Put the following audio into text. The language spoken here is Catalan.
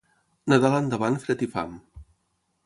Nadal endavant, fred i fam.